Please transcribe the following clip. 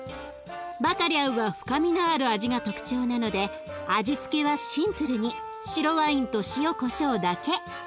バカリャウは深みのある味が特徴なので味付けはシンプルに白ワインと塩こしょうだけ。